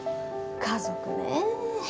家族ねえ。